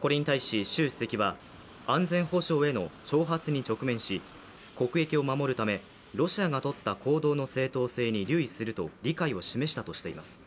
これに対し、習主席は、安全保障への挑発に直面し国益を守るため、ロシアがとった行動の正当性の留意すると理解を示したとしています。